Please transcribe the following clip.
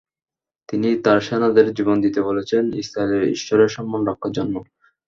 তিনি তাঁর সেনাদের জীবন দিতে বলেছেন ইসরায়েলের ঈশ্বরের সম্মান রক্ষার জন্য।